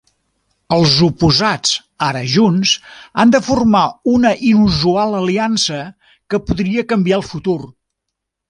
Els oposats ara junts, han de formar una inusual aliança que podria canviar el futur.